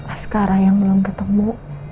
askara yang belum ketemu